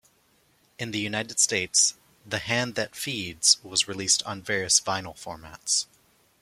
In the United States, "The Hand That Feeds" was released on various vinyl formats.